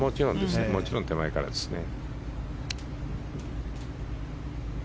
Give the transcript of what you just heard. もちろん手前からですね。